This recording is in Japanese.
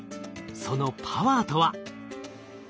そのパワーとは？